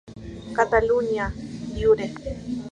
Catalunya lliure".